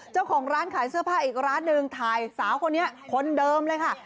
เจ้าของร้านขายเสื้อผ้าอีกร้านหนึ่งถ่ายสาวคนนี้คนเดิมเลยค่ะ